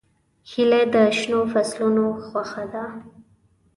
هیلۍ د شنو فصلونو خوښه ده